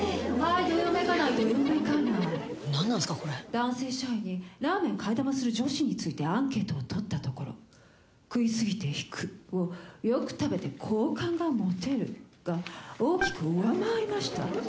男性社員にラーメン替え玉する女子についてアンケートを取ったところ「食いすぎて引く」を「よく食べて好感が持てる」が大きく上回りました。